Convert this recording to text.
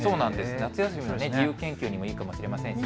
夏休みの自由研究などにもいいかもしれませんね。